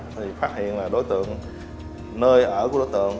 thì phát hiện là đối tượng nơi ở của đối tượng